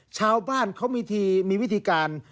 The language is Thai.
ชาวบ้านเขามีทีมีวิธีการ